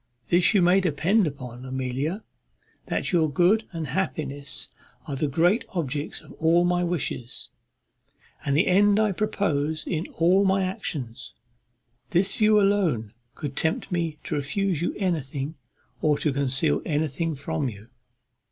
This you may depend upon, Amelia, that your good and happiness are the great objects of all my wishes, and the end I propose in all my actions. This view alone could tempt me to refuse you anything, or to conceal anything from you."